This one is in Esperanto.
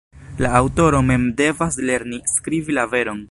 La aŭtoro mem devas lerni skribi la veron.